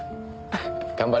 頑張れよ。